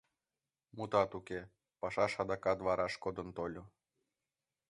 Мутат уке, пашаш адакат вараш кодын тольо.